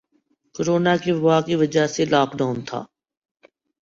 corona کی وبا کی وجہ سے لاک ڈاؤن تھا